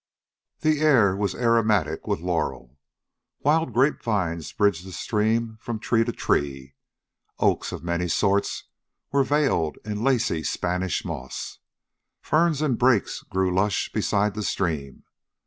The air was aromatic with laurel. Wild grape vines bridged the stream from tree to tree. Oaks of many sorts were veiled in lacy Spanish moss. Ferns and brakes grew lush beside the stream.